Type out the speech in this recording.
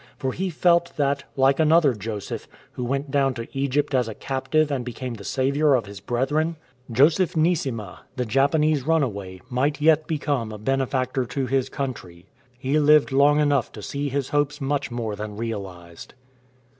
For he felt that, like another Joseph, who went down to Egypt as a captive and became the saviour of his brethren, Joseph 5S AT AMHERST AND ANDOVER Neesima, the Japanese runaway, might yet become a benefactor to his country. He lived long enough to see his hopes much more than realized.